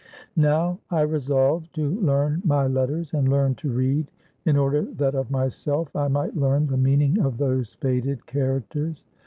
Now I resolved to learn my letters, and learn to read, in order that of myself I might learn the meaning of those faded characters.